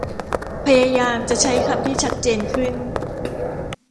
พยายามจะใช้คำที่ชัดเจนขึ้น